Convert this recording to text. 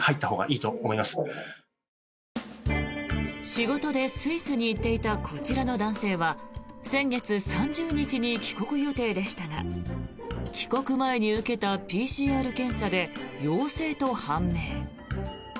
仕事でスイスに行っていたこちらの男性は先月３０日に帰国予定でしたが帰国前に受けたＰＣＲ検査で陽性と判明。